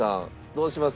どうしますか？